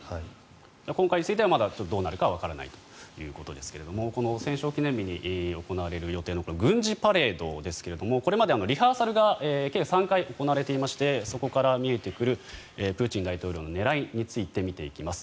今回についてはどうなるかわからないということですが戦勝記念日に行われる予定の軍事パレードですがこれまでリハーサルが計３回行われていましてそこから見えてくるプーチン大統領の狙いについて見ていきます。